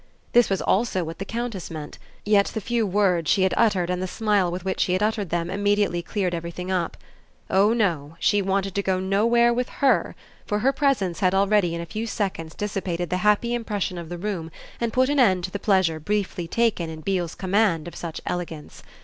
This was also what the Countess meant; yet the few words she had uttered and the smile with which she had uttered them immediately cleared everything up. Oh no, she wanted to go nowhere with HER, for her presence had already, in a few seconds, dissipated the happy impression of the room and put an end to the pleasure briefly taken in Beale's command of such elegance.